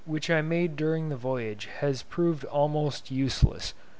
which I made during the voyage has proved almost useless.